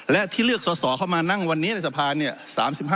และที่เลือกสอสอเข้ามานั่งวันนี้ในสภาเนี่ย